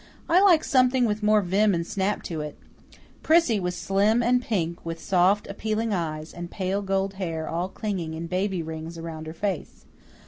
I like something with more vim and snap to it. Prissy was slim and pink, with soft, appealing blue eyes, and pale gold hair all clinging in baby rings around her face.